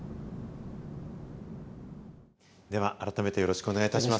では改めてよろしくお願いいたします。